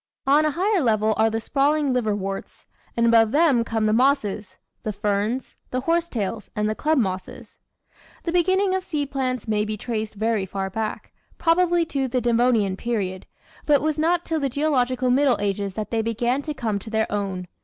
On a higher level are the sprawling liver worts, and above them come the mossses, the ferns, the horsetails, and the club mosses. The beginning of Seed Plants may be traced very far back, probably to the Devonian period, but it was not till the geological "middle ages" that they began to come to their own.